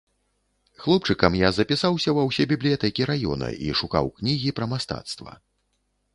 Хлопчыкам я запісаўся ва ўсе бібліятэкі раёна і шукаў кнігі пра мастацтва.